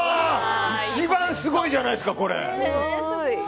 一番すごいじゃないですかこれ。